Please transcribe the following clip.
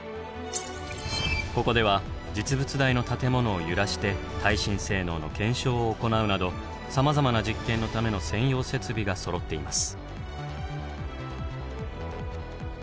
ここでは実物大の建物を揺らして耐震性能の検証を行うなどさまざまな実験のための専用設備がそろっています。